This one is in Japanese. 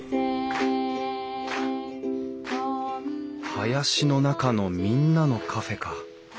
「林の中のみんなのカフェ」か。